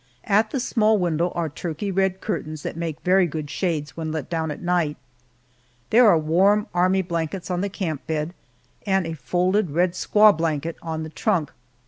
At the small window are turkey red curtains that make very good shades when let down at night. There are warm army blankets on the camp bed, and a folded red squaw blanket on the trunk.